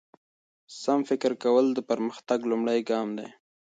سم فکر کول د پرمختګ لومړی ګام دی.